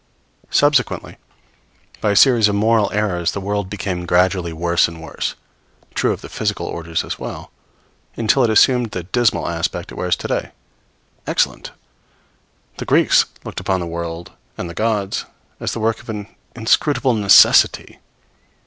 Subsequently, by a series of moral errors, the world became gradually worse and worse true of the physical orders as well until it assumed the dismal aspect it wears to day. Excellent! The Greeks looked upon the world and the gods as the work of an inscrutable necessity.